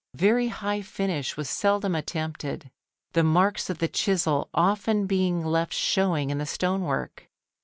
Very high finish was seldom attempted, the marks of the chisel often being left showing in the stonework.